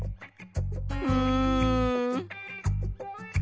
うん。